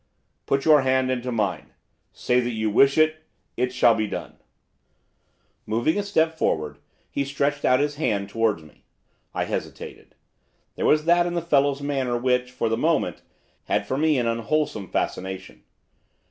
'Put your hand into mine. Say that you wish it. It shall be done.' Moving a step forward, he stretched out his hand towards me. I hesitated. There was that in the fellow's manner which, for the moment, had for me an unwholesome fascination.